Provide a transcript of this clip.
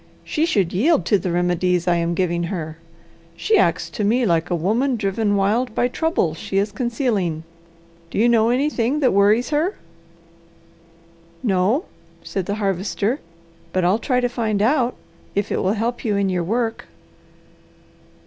She should yield to the remedies I am giving her. She acts to me like a woman driven wild by trouble she is concealing. Do you know anything that worries her?" "No," said the Harvester, "but I'll try to find out if it will help you in your work."